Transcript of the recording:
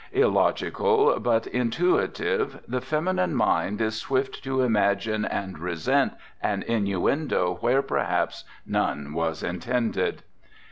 Illogical but intuitive, the feminine mind is swift to imagine and resent an innuendo where perhaps none was intended.